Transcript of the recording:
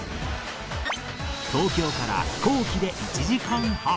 東京から飛行機で１時間半